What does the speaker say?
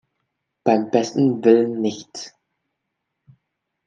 Beim besten Willen nicht.